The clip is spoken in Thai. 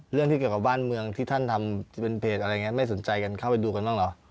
เรื่องที่เกี่ยวกับบ้านเมืองที่ท่านทำเป็นเพจอะไรอย่างนี้ไม่สนใจกันเข้าไปดูกันบ้างเหรอ